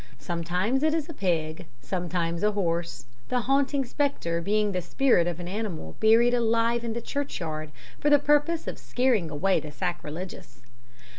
Sometimes it is a pig, sometimes a horse, the haunting spectre being the spirit of an animal buried alive in the churchyard for the purpose of scaring away the sacrilegious."